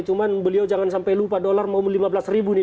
cuma beliau jangan sampai lupa dolar mau lima belas ribu nih